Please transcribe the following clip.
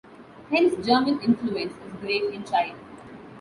Hence German influence is great in Chile.